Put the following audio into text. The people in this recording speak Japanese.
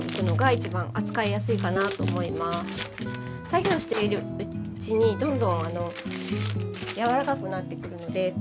作業しているうちにどんどんあのやわらかくなってくるので。